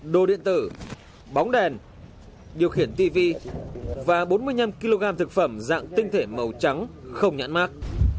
đồ điện tử bóng đèn điều khiển tv và bốn mươi năm kg thực phẩm dạng tinh thể màu trắng không nhãn mát